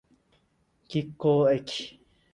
桔梗駅